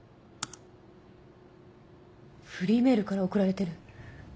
フリーメールから送られてる。